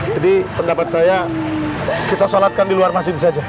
jadi pendapat saya kita solatkan di luar masjid saja